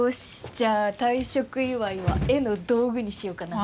じゃあ退職祝いは絵の道具にしようかな。